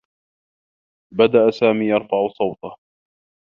بدأ سامي يرفع صوته.